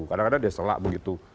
kadang kadang dia selak begitu